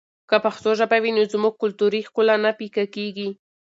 که پښتو ژبه وي نو زموږ کلتوري ښکلا نه پیکه کېږي.